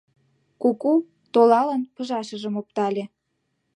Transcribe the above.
Куку, толалын, пыжашым оптале